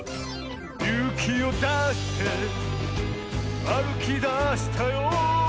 「ゆうきをだしてあるきだしたよ」